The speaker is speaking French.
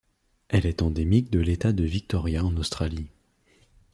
Elle est endémique de l'État de Victoria en Australie.